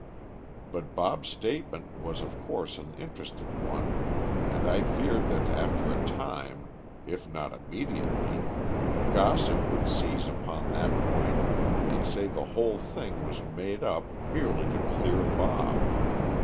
But Bob's statement was of course an interested one, and I feared that after a time, if not immediately, gossip would seize upon that point and say the whole thing was made up merely to clear Bob.